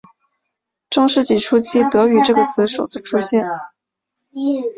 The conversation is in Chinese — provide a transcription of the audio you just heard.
中世纪初期德语这个词首次出现。